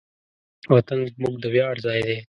وطن زموږ د ویاړ ځای دی.